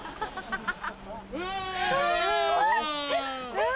えっ？